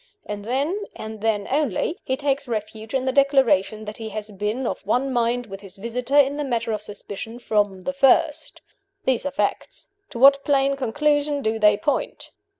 And then, and then only, he takes refuge in the declaration that he has been of one mind with his visitor, in the matter of suspicion, from the first. These are facts. To what plain conclusion do they point?"